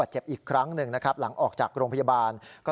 โรงงานกลัวคลนจอหลายคน